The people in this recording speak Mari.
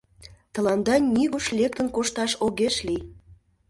Тыланда нигуш лектын кошташ огеш лий.